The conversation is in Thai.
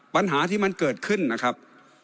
ปัญหาที่มันเกิดขึ้นนะครับ